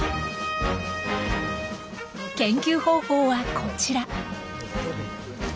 研究方法はこちら。